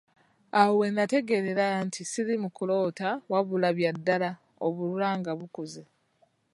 Awo we nategeerera nti siri mu kuloota wabula bya ddala obulwa nga bukuze!